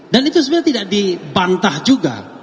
dan itu sebenarnya tidak dibantah juga